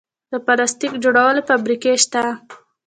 د پلاستیک جوړولو فابریکې شته